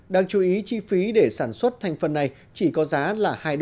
đang chú ý chi phí để sản xuất thành phần này chỉ có giá là hai usd